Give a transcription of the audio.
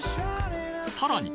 さらに